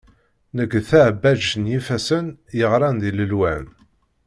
Nekk d taɛebbajt n yifassen, yeɣran di lelwan.